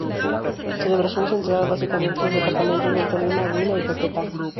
Celebración centrada básicamente en los departamentos del Tolima, Huila y Caquetá.